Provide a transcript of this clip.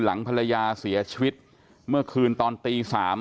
หลังภรรยาเสียชีวิตเมื่อคืนตอนตี๓